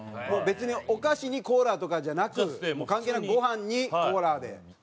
もう別にお菓子にコーラとかじゃなく関係なくごはんにコーラで。